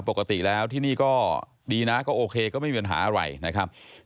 ปกติแล้วที่นี่ก็ดีนะก็โอเคก็ไม่มีปัญหาอะไรนะครับ